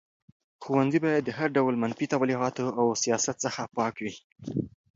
ښوونځي باید د هر ډول منفي تبلیغاتو او سیاست څخه پاک وي.